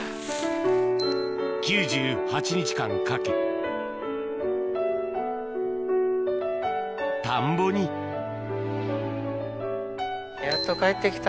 ・９８日間かけ田んぼにやっと帰って来た。